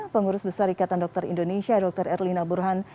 pengurus besar ikatan dokter indonesia dr erlina burhan